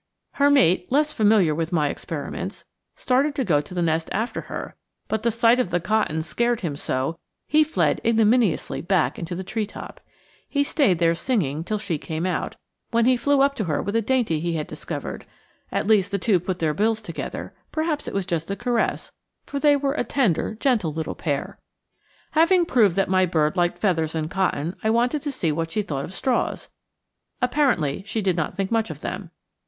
Her mate, less familiar with my experiments, started to go to the nest after her, but the sight of the cotton scared him so he fled ignominiously back into the treetop. He stayed there singing till she came out, when he flew up to her with a dainty he had discovered at least the two put their bills together; perhaps it was just a caress, for they were a tender, gentle little pair. Having proved that my bird liked feathers and cotton, I wanted to see what she thought of straws. Apparently she did not think much of them.